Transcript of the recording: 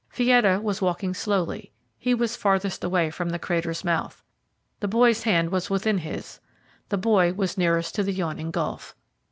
Fietta was walking slowly; he was farthest away from the crater's mouth. The boy's hand was within his; the boy was nearest to the yawning gulf.